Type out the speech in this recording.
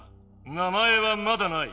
名前はまだない。